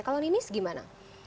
kalau nini gimana